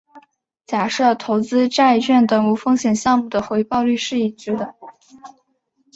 假设投资债券等无风险项目的回报率是已知的。